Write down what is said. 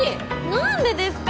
何でですか！